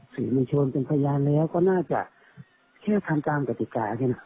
ถือมันโชนเป็นพยานแล้วก็น่าจะแค่ทางตามกติกายนะครับ